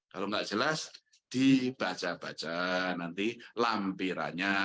kalau nggak jelas dibaca baca nanti lampirannya